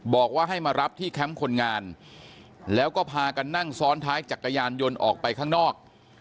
บอกว่าให้มารับที่แคมป์คนงานแล้วก็พากันนั่งซ้อนท้ายจักรยานยนต์ออกไปข้างนอก